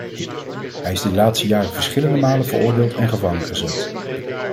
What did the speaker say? Hij is de laatste jaren verschillende malen veroordeeld en gevangen gezet.